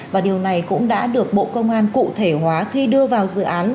và điều này cũng đã được bộ công an cụ thể hóa khi đưa vào dự án